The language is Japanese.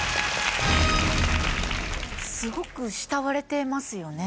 すごく慕われてますよね。